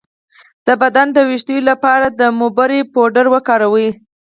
د بدن د ویښتو لپاره د موبری پوډر وکاروئ